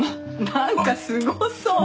なんかすごそう。